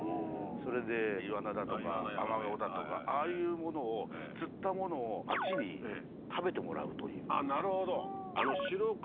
それでイワナだとかアマゴだとかああいうものを釣ったものを町に食べてもらうというあっなるほどあの白く